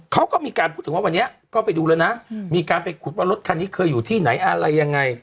เขาก็มีการพูดถึงว่าวันนี้ก็ไปดูแล้วนะมีการไปขุดว่ารถคันนี้เคยอยู่ที่ไหนอะไรยังไง